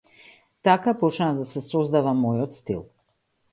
Така почна да се создава мојот стил.